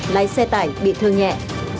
lái xe tải bị thương nhẹ